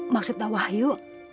maksud bapak wahyu